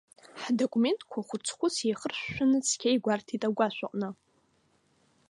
Ҳдокументқәа хәыц-хәыц еихыршәшәаны цқьа игәарҭеит агәашә аҟны.